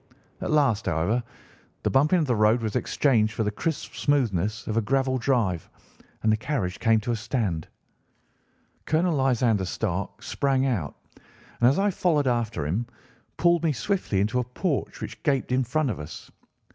At last, however, the bumping of the road was exchanged for the crisp smoothness of a gravel drive, and the carriage came to a stand. Colonel Lysander Stark sprang out, and, as I followed after him, pulled me swiftly into a porch which gaped in front of us.